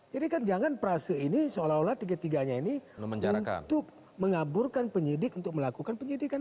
jadi kan jangan prase ini seolah olah tiga tiganya ini untuk mengaburkan penyidik untuk melakukan penyidikan